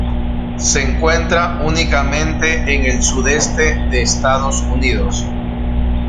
Se encuentra únicamente en el sudeste de Estados Unidos.